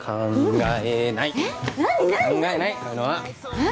えっ？